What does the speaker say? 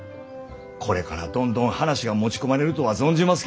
これからどんどん話が持ち込まれるとは存じます